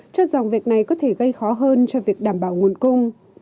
cho rằng việc này có thể gây khó hơn cho việc đảm bảo nguồn cung